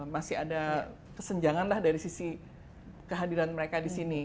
masih ada kesenjangan lah dari sisi kehadiran mereka di sini